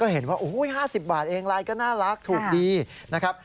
เห็นว่า๕๐บาทเองลายก็น่ารักถูกดีนะครับ